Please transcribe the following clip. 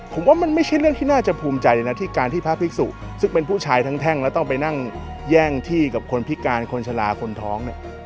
ผมว่ามันไม่ใช่เรื่องที่น่าจะภูมิใจนะที่การที่พระภิกษุซึ่งเป็นผู้ชายแท่งแล้วต้องไปนั่งแย่งที่กับคนพิการคนชะลาคนท้องเนี่ย